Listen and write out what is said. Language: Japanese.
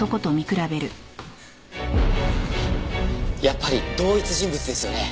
やっぱり同一人物ですよね？